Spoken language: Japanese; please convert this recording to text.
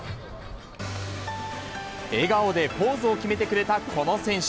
笑顔でポーズを決めてくれたこの選手。